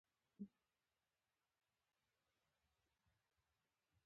بېرته يې په شړک خوشې کړه.